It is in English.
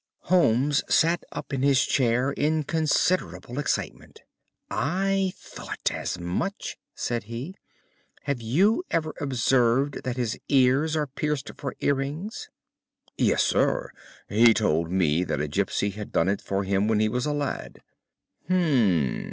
Holmes sat up in his chair in considerable excitement. "I thought as much," said he. "Have you ever observed that his ears are pierced for earrings?" "Yes, sir. He told me that a gipsy had done it for him when he was a lad." "Hum!"